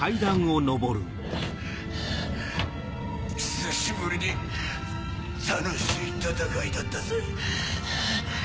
久しぶりに楽しい戦いだったぜ。